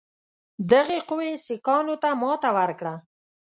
دغې قوې سیکهانو ته ماته ورکړه.